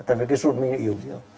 tại vì cái sụn mình là yếu